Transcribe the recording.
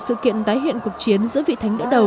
sự kiện tái hiện cuộc chiến giữa vị thánh đỡ đầu